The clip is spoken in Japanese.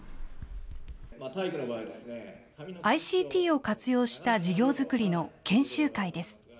ＩＣＴを活用した授業づくりの研修会です。